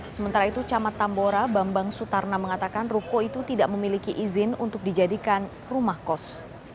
sementara itu camat tambora bambang sutarna mengatakan ruko itu tidak memiliki izin untuk dijadikan rumah kos